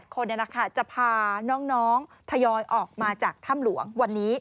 คนจะพาน้องทยอยออกมาจากถ้ำหลวงวันนี้